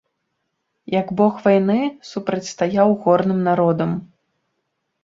Як бог вайны, супрацьстаяў горным народам.